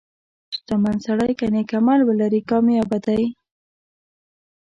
• شتمن سړی که نیک عمل ولري، کامیابه دی.